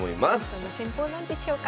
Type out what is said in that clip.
どんな戦法なんでしょうか。